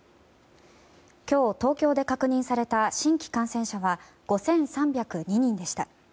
今日、東京で確認された新規感染者は５３０２人でした。